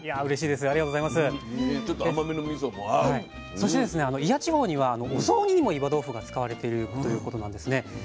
そして祖谷地方にはお雑煮にも岩豆腐が使われているということなんですね。